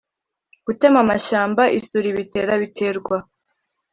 Gutema amashyamba isuri bitera biterwa